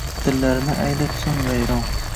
Dillarini aylab soʼng vayron